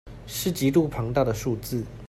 是極度龐大的數字